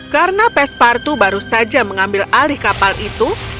karena pesparto baru saja mengambil alih kapal itu